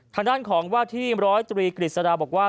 ทางด้านของว่าที่๑๐๓กฤษฎาบอกว่า